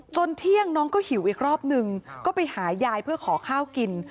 เที่ยงน้องก็หิวอีกรอบนึงก็ไปหายายเพื่อขอข้าวกิน